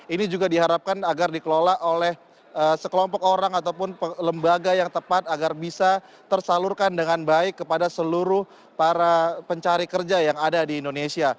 ini juga diharapkan agar dikelola oleh sekelompok orang ataupun lembaga yang tepat agar bisa tersalurkan dengan baik kepada seluruh para pencari kerja yang ada di indonesia